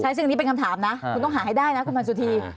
ซึ่งอันนี้เป็นคำถามนะคุณต้องหาให้ได้นะคุณพันสุธี